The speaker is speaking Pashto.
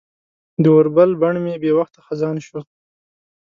د اوربل بڼ مې بې وخته خزان شوی